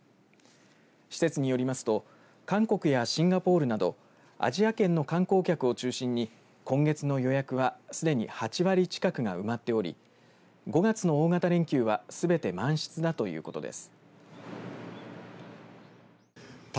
施設によりますと韓国やシンガポールなどアジア圏の観光客を中心に今月の予約はすでに８割近くが埋まっており５月の大型連休はすべて満室だということです。